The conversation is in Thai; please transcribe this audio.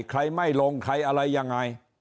ใครไม่ลงใครอะไรยังไง